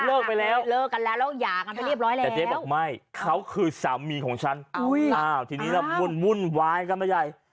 เลิกไปแล้วแต่เจ๊บอกไม่เขาคือสามีของฉันอ้าวทีนี้มันมุ่นวายกันไปใหญ่